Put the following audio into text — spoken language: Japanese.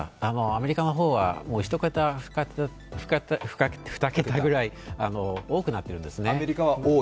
アメリカの方は１桁、２桁ぐらい多くなっているんですね。